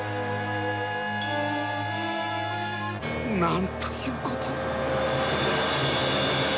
なんという事を！